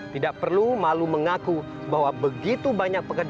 tidak perlu malu mengaku bahwa penyakit ini tidak terjadi karena penyakit ini